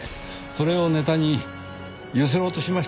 それをネタにゆすろうとしましたか？